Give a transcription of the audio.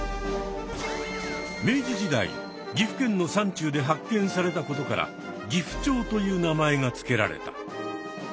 明治時代岐阜県の山中で発見されたことからギフチョウという名前が付けられた。